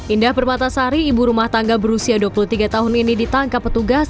indah permatasari ibu rumah tangga berusia dua puluh tiga tahun ini ditangkap petugas